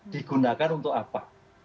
digunakan untuk apa